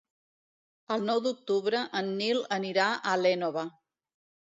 El nou d'octubre en Nil anirà a l'Énova.